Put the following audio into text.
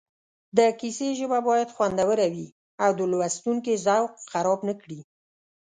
د کیسې ژبه باید خوندوره وي او د لوستونکي ذوق خراب نه کړي